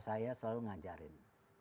saya selalu ngajarin